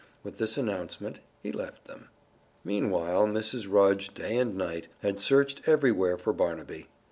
With this announcement he left them. Meanwhile Mrs. Rudge, day and night, had searched everywhere for Barnaby.